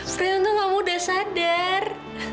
prih untung kamu udah sadar